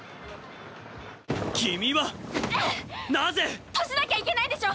君は、なぜ？閉じなきゃいけないんでしょ！